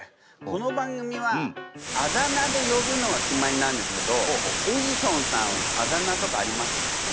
この番組はあだ名でよぶのが決まりなんですけどエジソンさんはあだ名とかありますか？